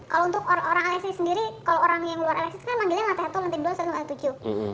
sis kalau untuk orang orang alexi sendiri kalau orang yang luar alexi kan memanggilnya lantai satu lantai dua lantai tiga lantai tujuh